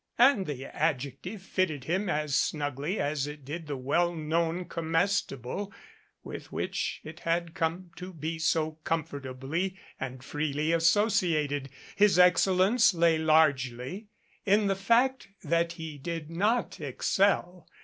and the adjective 293 MADCAP fitted him as snugly as it did the well known comestible with which it had come to be so comfortably and freely associated. His excellence lay largely in the fact that he did not excel.